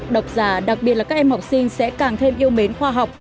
đọc giả đặc biệt là các em học sinh sẽ càng thêm yêu mến khoa học